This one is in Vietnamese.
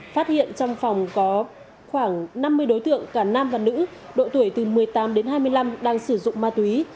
phát hiện trong phòng có khoảng năm mươi đối tượng cả nam và nữ độ tuổi từ một mươi tám đến hai mươi năm đang sử dụng ma túy